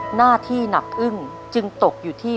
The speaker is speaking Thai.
หน้าที่หนักอึ้งจึงตกอยู่ที่